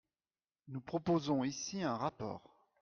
Nous proposons ici un rapport.